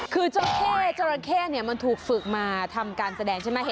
คือเจ้าเข้จราเข้เนี่ยมันถูกฝึกมาทำการแสดงใช่ไหม